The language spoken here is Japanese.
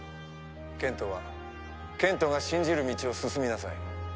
賢人は賢人が信じる道を進みなさい。